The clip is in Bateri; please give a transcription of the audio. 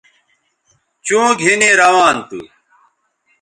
چوں گِھنی روان تھو